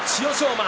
馬。